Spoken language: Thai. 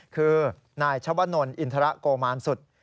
คือนายชะวะนนท์อินทระโกมานสุทธิ์